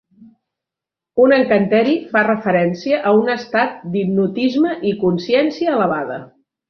Un encanteri fa referència a un estat d'hipnotisme i consciència elevada.